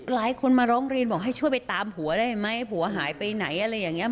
หลายคนมาร้องเรียนบอกให้ช่วยไปตามผัวได้ไหมผัวหายไปไหนอะไรอย่างนี้